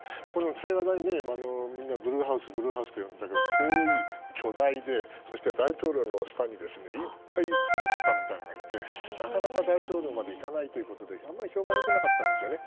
青瓦台ブルーハウスと呼んでいたけど遠い、巨大で、大統領の下にいっぱい補佐官みたいなのがいてなかなか大統領までいかなくてあまり評判が良くなかったんですよね。